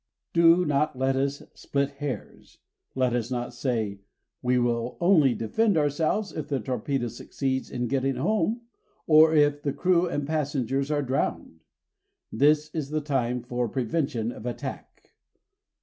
Do not let us split hairs. Let us not say: "We will only defend ourselves if the torpedo succeeds in getting home, or if the crew and the passengers are drowned". This is the time for prevention of attack.